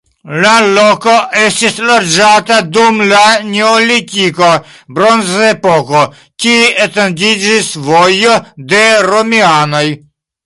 La loko estis loĝata dum la neolitiko, bronzepoko, tie etendiĝis vojo de romianoj.